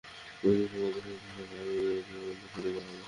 বন্দীদের সঙ্গে আত্মীয়স্বজনদের সাক্ষাৎ আগামী দু-এক দিনের মধ্যে শুরু করা হবে।